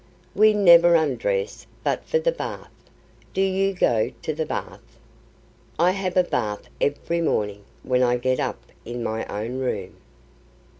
We never undress but for the bath. Do you go to the bath?" "I have a bath every morning, when I get up, in my own room."